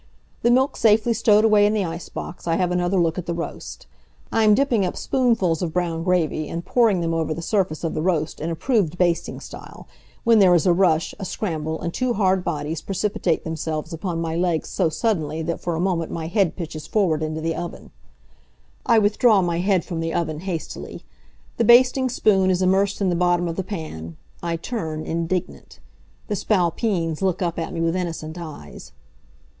The milk safely stowed away in the ice box, I have another look at the roast. I am dipping up spoonfuls of brown gravy and pouring them over the surface of the roast in approved basting style, when there is a rush, a scramble, and two hard bodies precipitate themselves upon my legs so suddenly that for a moment my head pitches forward into the oven. I withdraw my head from the oven, hastily. The basting spoon is immersed in the bottom of the pan. I turn, indignant. The Spalpeens look up at me with innocent eyes.